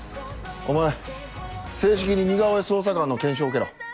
お前正式に似顔絵捜査官の研修を受けろ。